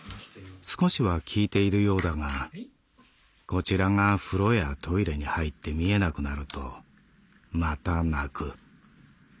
「少しは効いているようだがこちらが風呂やトイレに入って見えなくなるとまた鳴く。